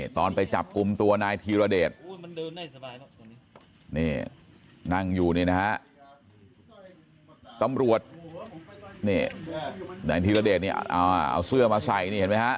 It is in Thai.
ตอนไปจับกลุ่มตัวนายธีรเดชนี่นั่งอยู่นี่นะฮะตำรวจนี่นายธีรเดชนี่เอาเสื้อมาใส่นี่เห็นไหมฮะ